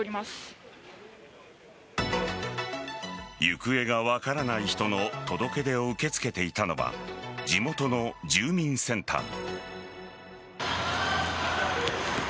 行方が分からない人の届け出を受け付けていたのは地元の住民センター。